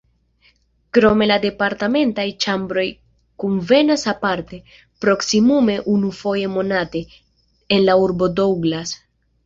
Krome la parlamentaj ĉambroj kunvenas aparte, proksimume unufoje monate, en la urbo Douglas.